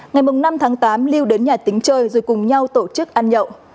ngày năm tháng tám lưu đến nhà tính chơi rồi cùng nhau tổ chức ăn nhậu